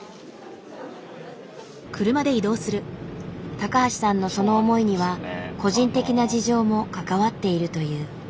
高橋さんのその思いには個人的な事情も関わっているという。